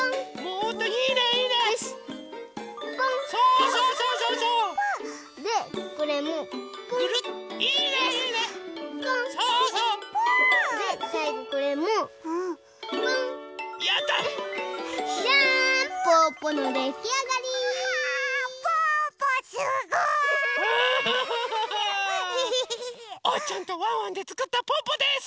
おうちゃんとワンワンでつくったぽぅぽです！